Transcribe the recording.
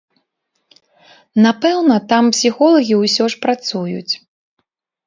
Напэўна, там псіхолагі ўсё ж працуюць.